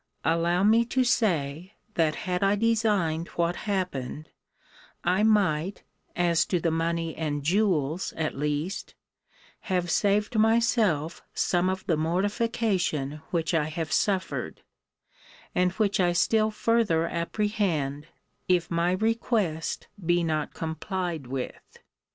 Allow me to say, that had I designed what happened, I might (as to the money and jewels at least) have saved myself some of the mortification which I have suffered, and which I still further apprehend, if my request be not complied with.